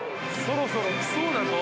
そろそろきそうだぞ。